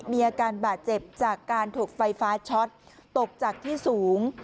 มีอาการบาดเจ็บจากการถูกไฟฟ้าช็อตตกจากที่สูง